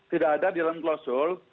tidak ada dalam klosul